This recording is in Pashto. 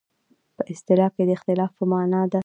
په اصطلاح کې د اختلاف په معنی ده.